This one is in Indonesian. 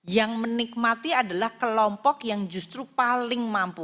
yang menikmati adalah kelompok yang justru paling mampu